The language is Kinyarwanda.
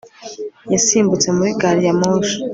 yasimbutse muri gari ya moshi